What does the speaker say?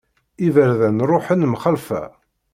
Iberdan ruḥen mxalfa.